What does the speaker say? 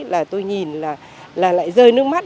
là tôi nhìn là lại rơi nước mắt